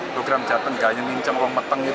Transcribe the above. program jateng gaya minceng ong meteng itu